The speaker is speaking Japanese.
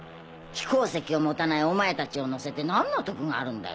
飛行石を持たないお前たちを乗せて何の得があるんだい。